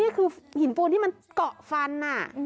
นี่คือหินปูนที่มันเกาะฟัน